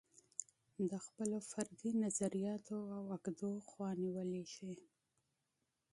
د خپلو فردي نظریاتو او عقدو خوا نیولی شي.